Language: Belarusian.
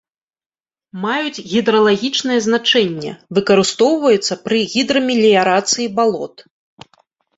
Маюць гідралагічнае значэнне, выкарыстоўваюцца пры гідрамеліярацыі балот.